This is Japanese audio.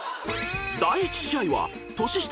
［第１試合は年下